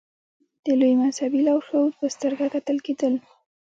د لوی مذهبي لارښود په سترګه کتل کېدل.